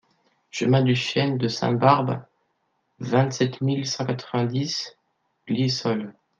Chemin du Chêne de Sainte-Barbe, vingt-sept mille cent quatre-vingt-dix Glisolles